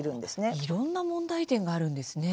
いろんな問題点があるんですね。